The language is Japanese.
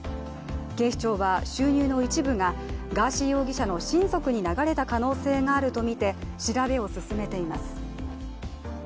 警視庁は収入の一部がガーシー容疑者の親族に流れた可能性があるとみて調べを進めています。